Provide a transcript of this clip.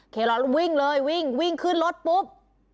ร้อนวิ่งเลยวิ่งวิ่งขึ้นรถปุ๊บ